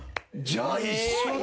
じゃあ一緒だ。